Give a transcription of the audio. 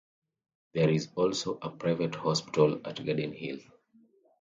There is also a private hospital at Garden Hill.